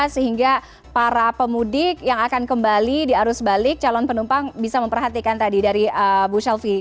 sehingga para pemudik yang akan kembali di arus balik calon penumpang bisa memperhatikan tadi dari bu shelfie